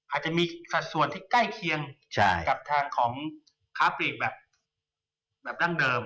อาจจะมีสัดส่วนที่ใกล้เคียงกับทางของค้าปลีกแบบดั้งเดิม